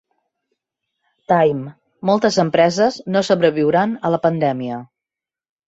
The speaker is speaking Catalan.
Time: Moltes empreses no sobreviuran a la pandèmia.